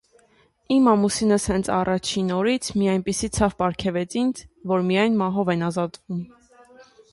Իմ ամուսինս հենց առաջին օրից մի այնպիսի ցավ պարգևեց ինձ, որից միայն մահով են ազատվում…